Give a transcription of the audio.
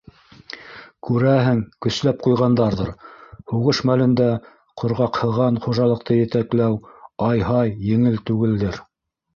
Күрәһең, көсләп ҡуйғандарҙыр. һуғыш мәлендә ҡорғаҡһыған хужалыҡты етәкләү, ай-һай, еңел түгелдер...